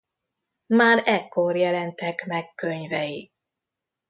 Már ekkor jelentek meg könyvei.